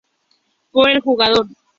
Por el jugador.